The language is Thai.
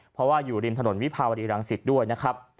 เพราะว่าอยู่ริมถนนวิภาวดีรังสิตด้วยนะครับ